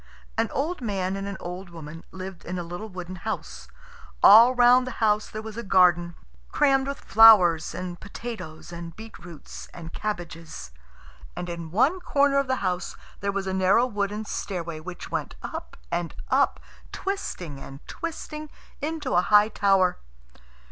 An old man and an old woman lived in a little wooden house. All round the house there was a garden, crammed with flowers, and potatoes, and beetroots, and cabbages. And in one corner of the house there was a narrow wooden stairway which went up and up, twisting and twisting, into a high tower.